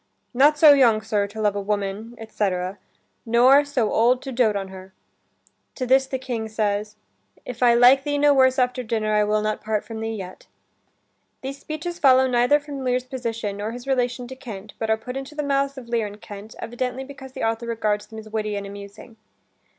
"Not so young, Sir, to love a woman, etc., nor so old to dote on her." To this the King says, "If I like thee no worse after dinner, I will not part from thee yet." These speeches follow neither from Lear's position, nor his relation to Kent, but are put into the mouths of Lear and Kent, evidently because the author regards them as witty and amusing.